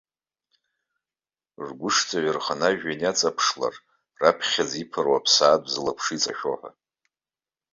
Ргәышҵа ҩарханы ажәҩан иаҵаԥшлар, раԥхьаӡа иԥыруа аԥсаатә зылаԥш иҵашәо ҳәа.